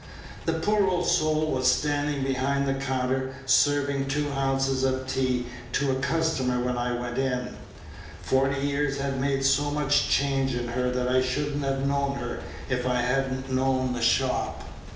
The poor old soul was standing behind the counter, serving two ounces of tea to a customer when I went in. Forty years had made so much change in her that I should n't have known her if I had n't known the shop.